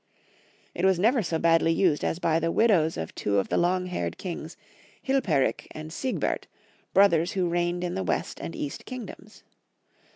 It was never so badly used as by the widows of two of the long haired kings, Hilperik and Sieg bert, brothers who reigned in the West and East kingdoms.